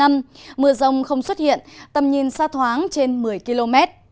mưa rông không xuất hiện tầm nhìn xa thoáng trên một mươi km